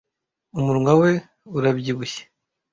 umunwa we urabyibushye